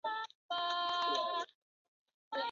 贝尔卡塔尔是德国黑森州的一个市镇。